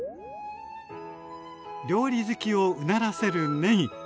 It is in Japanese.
料理好きをうならせるねぎ。